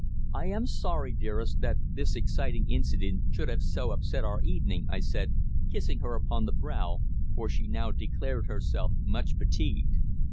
"I am sorry, dearest, that this exciting incident should have so upset our evening," I said, kissing her upon the brow, for she now declared herself much fatigued.